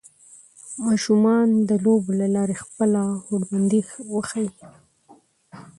ماشومان د لوبو له لارې خپله هوډمندۍ وښيي